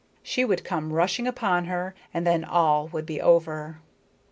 She would come rushing upon her, and then all would be over.